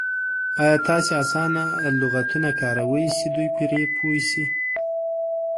ایا تاسې اسانه لغتونه کاروئ چې دوی پرې پوه شي؟